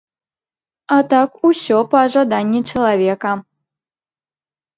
А так усё па жаданні чалавека.